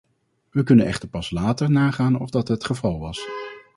We kunnen echter pas later nagaan of dat het geval was.